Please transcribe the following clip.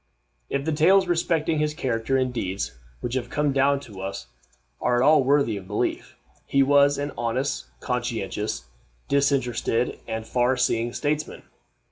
If the tales respecting his character and deeds which have come down to us are at all worthy of belief, he was an honest, conscientious, disinterested, and far seeing statesman.